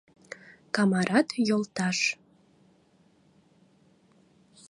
Камарад — йолташ.